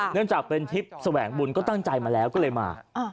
เนื่องจากเป็นทิพย์แสวงบุญก็ตั้งใจมาแล้วก็เลยมา